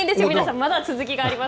まだ続きがあります。